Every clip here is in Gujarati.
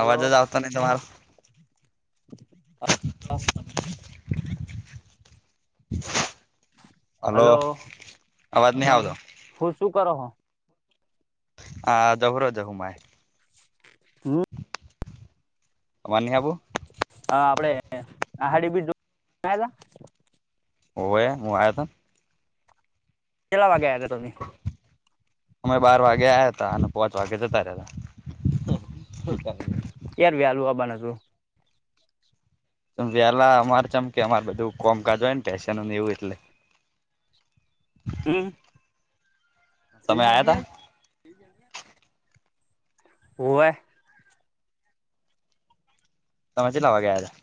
અવાજ જ આવતો નહી તમારો- હલો અવાજ નહી આવતો- હું શું કરો? હ જવરો જ હુંમાઈ- હમ [inaudible] અમાનની હબુ હ આપડણેે આહાડી બીજ ઓ હું આયા હતા ચલાવા ગયા હતા તમે અમે બાર વાગે આવયા હતા અને પાંચ વાગે જતા રહતા એ ત યાર વલુ આબ ન હતું વેહલા અમારે ચમકે અમારે બધું કોમકાજ હોય ને પેશનને એવું એટલે હમ તમે આયા હતા [inaudible] ઓવે સમજ લાવવા ગયા છે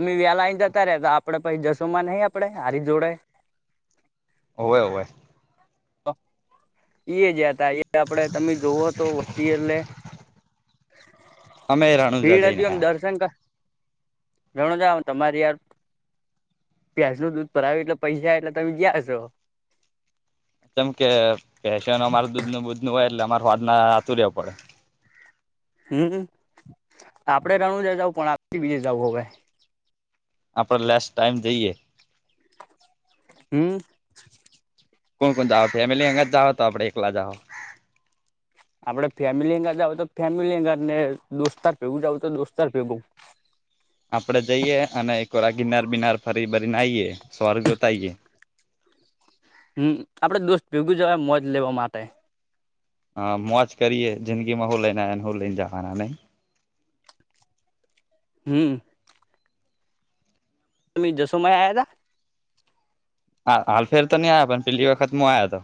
અમે વ્યાલા જતા રે તો આપડે પછી જશોમાં નહી આપડે હારી જોડે. હોવે હોવે અ એજ હતા એ એ આપડે તમે જોવોઓ તો વસ્તી એટલે અમે રણુજા ભીડ જઈને હતી એમ આયા દર્શન કર જણો જાાવ તમારી યાર. પ્યાજ નું દૂધ પરા એટલે પૈસા એટલે તમે ગયા છો. એમ કે પેશન અમાર દૂધ ન દૂધ નું હોય એટલે અમાર સ્વાદના આતુર પડે હમ આપડે રણું જ જ પણ આપ બીજે જવું હો ભાઈ- આપડ લેસ્ટ ટાઈમ જઈએ હમ કોણ કોણ જાઓ ફેમિલી અંગ જ જાઓ તો આપડે એકલા જ જાઓ આપડે ફેમિલી અંગર જાવ તો ફેમિલી અંગર ને દોસ્તાર ભેગું જાવું તો દોસ્તાર ભેગું- આપડે જઈએ અને કોરા ગિનાર બિનાર ફરી બરીને આવીએ સ્વર્ગ જોતાઈએ- હમ આપડે દોસ્ત ભેગું જવા મોજ લેવા માટે. હા મોજ કરીયે જિંદગીમાં હું લઈને આયા ને હું લઈને જવાન હમ તમે જોસોમય આયા હતા હા હાલ ફેર તો નહી આયા પણ પેલી વખત મુ આયા તો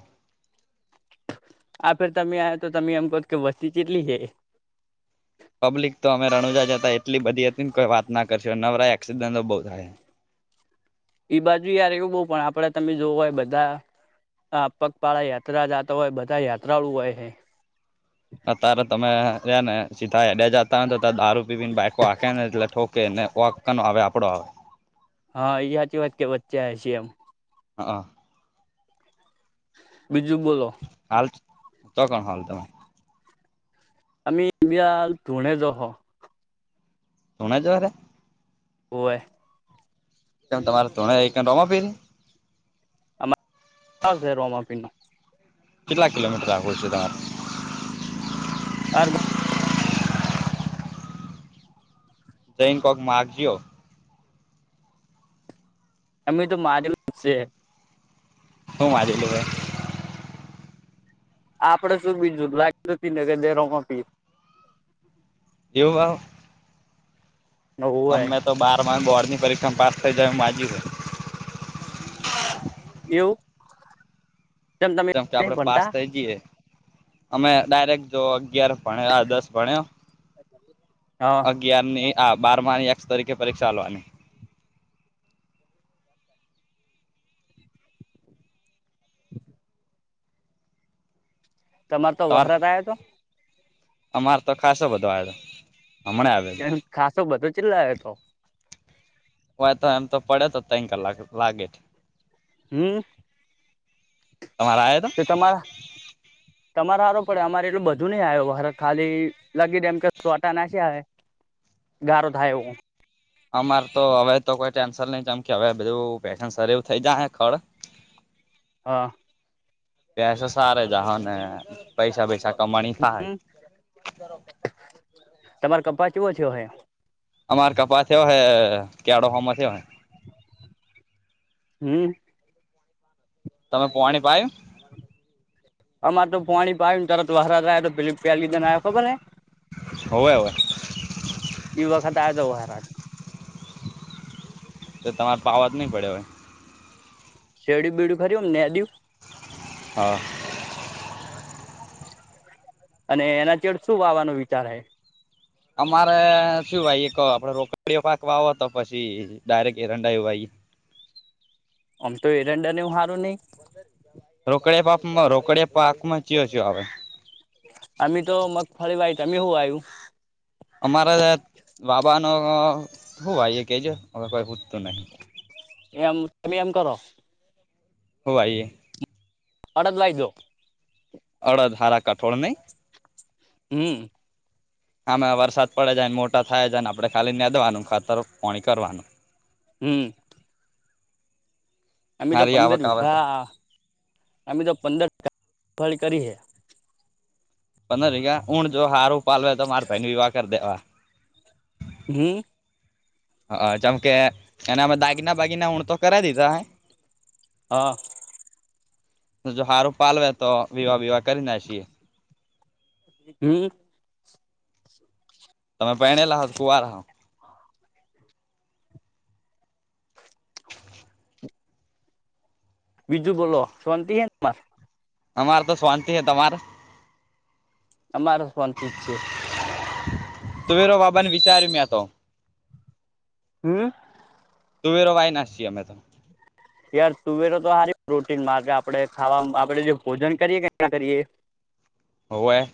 આ ફેર તમે આયા તો તમે એમ કહો કે વસ્તી ચટલી હે પબ્લિક તો અમે રણુજા જતા એટલી બધી હતી ને કોઈ વાત ના કરશ નવરાય એક્સિડન્ટો બહુ થાય એઈ બાજુ યાર એવું બહુ પણ આપડે તમે જોવો હોય બધા આ પગપાળા યાત્રા જતા હોય બધા યાત્રાળુ હોય અત્યારે તમે છે ને સીધા હેડીયા જતાને તો ત દારૂ પી પી ને બાઈકો હાંકે ને એટલે ઠોકે ઓ કેને વાકકાનો આવે આપણો આવે હા એ હાચી વાત કે વચ્ચે આયા છીએ એમ હા બીજું બોલો હાલ તો કોણ હાલ તમે. અમે વિયા ધૂણે જ હો. શોણ જવારે હોવે કેમ તમારે તોણે રમાપીર ને હા ભે રોમાપીર નો કેટલા કિલોમીટર હોય છે તમારે આ [inaudible] જઇને કોક માગ જીઓ અમે તો માગેલુ જ છે હુ મારેલું હોય આપડે શું બીજું લાગ ને કે દેરો માંગીએ એવું આવે હોય અમે તો બાર માં બોર્ડ ની પરીક્ષામાં પાસ થઇ જાય એમ માગીયુ હે એવું તેમ તમે જેમ કે નહી આપડે પાસ ભણતા થઇ જઈએે અમે ડાયરેક્ટ જો અગિયાર ભણલા આ દસ ભણ્યો હા અગયાર ની આ બાર ની એક્સ તરીકે પરીક્ષા આલવાની તમારે તો તમાર વરસાદ આવ્યા તો અમાર તો ખાસો બધો આવ્યો તો એમ ખાસો બધો ચેટલો આવ્યો હતો હોય તો એમ તો પડે તો ત્રણ કલાક લાગે હમ તમારે આયો તો કે તમે તમારે હારુ પડે અમારે એટલું બધું નહી આવ્યો ખાલી લાગી એમ કે છોટા નાખ્યા હે ગારો થાય એવું અમારે તો હવે તો કોઈ ટેન્શન નઈ કેમકે હવે બધું પનસ એવું થઇ જાય ખર [inaudible] હા પસો સારે જાહો ને પૈસા પૈસા કમાણી થાય હમ તમારે કપાસ કેવો થયો હે અમાર કપાસ થયો હ કેળો હમાં થ્યો હે હમ તમે પોણી પાયુ અમારે તો પાણી પાયુ તરત વારસાદ આયો પ પાર લીધેને આવ્યા ખબર હે હોવે હોવે. એ વખત આ જાવ હારજ તો તમારે પાવા જ નહી પડે હવે. શેરડયું બેરડ્યુ ખરું આમ નેરડ્યું હા અને એના ચડ શું વાવાનો વિચાર હ અમારે શું ભાઈ એક આપડ રોકડીયો પાક વા આવો તો પછી ડાયરેક્ટ એરંડાયું ભાઈ આમ તો એરંડા ને હું હારું નહી. રોકડિયા પાક માં રોકડિયા પાકમાં ચયો ચયો આવે. અમ તો મગફળી વાયી તમે હું વાયુ. અમારા બાબા ન શું ભ કેજ હ કોઈ પૂદતું નહી. એમ તમે એમ કરો. હોવાઈએ અડદ લઈદો. હારા કઠોળ નઈ. હમ. [inaudible] આમાં વરસાદ પડે જાયને મોટા થાય જાય ને આપણે ખાલી બેદવાનું ખાતર પાણી કરવાનું. હમ અમે તો હારી પંદર આવક આવે તો વીઘા અમે તો પંદર કરી હે. પંદર ર હું જો હાર ઉ પવેે તો મારે ભેન વિવા કર દેવા. હમ હ જેમ કે એને અમે દાગીના બાાગીના ઊણ તો કરાવ દીધા. [inaudible] હા જો સારું પાલવે તો વિવા વિવાહ કરી ના છીએ. [inaudible] હમ તમે પયનેલા હો કે કુવારા હો. [inaudible] બીજું બોલો શાંતિ હે. તમાર અમારે તો શાંતિ હૈ તમાર અમારો શાંત જ છે. તવીરો બાબાને વિચાર્યું મે તો હમ તુંવેરો વાય નાસી અમે તો. યાર તુવેરો તો સારી પ્રોટીન મા આપડે ખાવા આપડે જે ભોજન કરીએ કરીએ. હોવે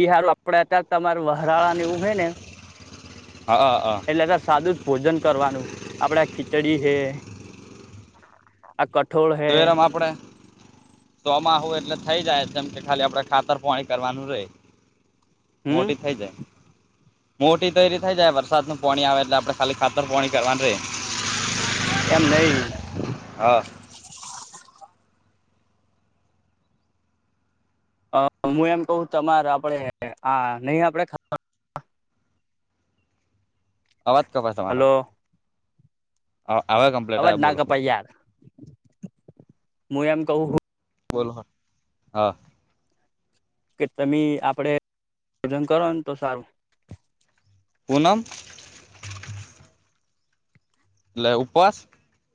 ઈયારું આપડે અયારે તમાર વરાળા ને એવું હોય ને. હા હા હા એટલે કે સાદું જ ભોજન કરવાનું આપડે ખીચડી છે. આ કઠોળ હે ચોમહુ એટલે થઈ જાય તેમ કે ખાલી આપણેે ખાતર પોણી કરવાનું રે હમ મોટી થઈ જાય. મોટી તૈયરી થઈ જાય વરસાદ નું પાણી આવે એટલે આપણે ખાલી ખાતર પાણી કરવાનું રે. એમ નઈ હા અ હું એમ કઉ તમારે આપડે આ નહી આપડે. અવાજ કપાય છે તમારો. હલો હા અવે કમ અવાજ ના કપાઈ યાર હું એમ કઉ હું બોલહ હા કે તમે આપડે ભોજન કરો ન તો સારું પૂનમ. લે ઉપવાસ.